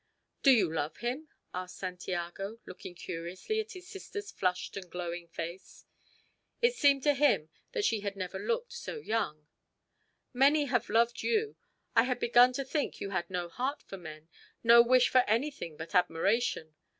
"Do you love him?" asked Santiago, looking curiously at his sister's flushed and glowing face. It seemed to him that she had never looked so young. "Many have loved you. I had begun to think you had no heart for men, no wish for anything but admiration.